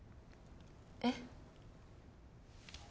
えっ？